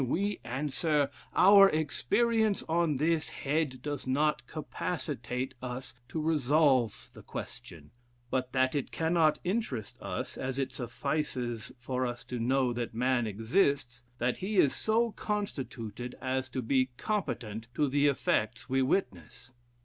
We answer, our experience on this head does not capacitate us to resolve the question; but that it cannot interest us, as it suffices for us to know that man exists, that he is so constituted as to be competent to the effects we witness."